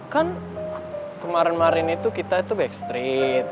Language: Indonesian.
kan kemarin marin itu kita itu backstreet